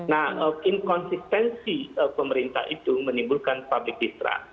nah inkonsistensi pemerintah itu menimbulkan public distrust